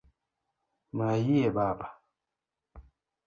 Mayie Baba!